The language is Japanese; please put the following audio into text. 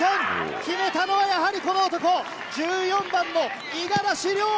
決めたのは、やはりこの男、１４番の五十嵐陵。